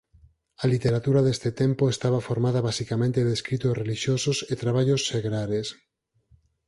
A literatura deste tempo estaba formada basicamente de escritos relixiosos e traballos segrares.